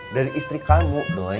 dari istri kamu doi